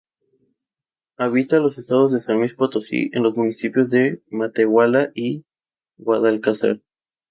Habita los estados de San Luis Potosí, en los municipios de Matehuala y Guadalcázar.